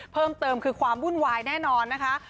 เพิ่มเติมคือความวุ่นวายแน่นอนนะคะ